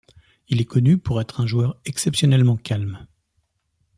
Il est connu pour être un joueur exceptionnellement calme.